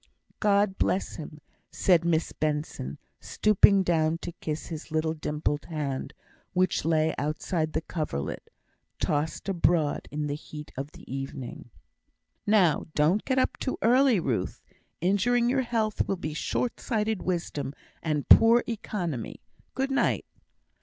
"God bless him!" said Miss Benson, stooping down to kiss his little dimpled hand, which lay outside the coverlet, tossed abroad in the heat of the evening. "Now, don't get up too early, Ruth! Injuring your health will be short sighted wisdom and poor economy. Good night!"